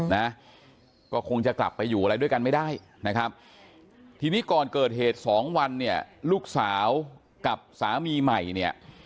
นะก็คงจะกลับไปอยู่อะไรด้วยกันไม่ได้นะครับทีนี้ก่อนเกิดเหตุสองวันเนี่ยลูกสาวกับสามีใหม่เนี่ย